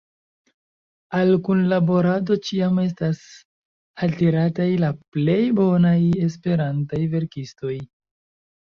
Al kunlaborado ĉiam estas altirataj la plej bonaj esperantaj verkistoj.